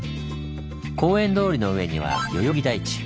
公園通りの上には代々木台地。